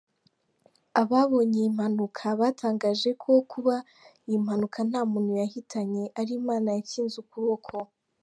Ababonye iyi mpanuka batangaje ko kuba iyi mpanuka ntamuntu yahitanye ari Imana yakinze ukuboko.